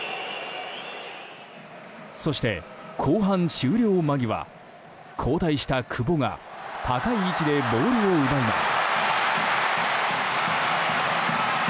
そして、後半終了間際交代した久保が高い位置でボールを奪います。